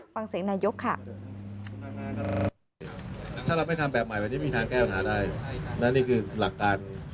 ฟังเสียงนายกค่ะ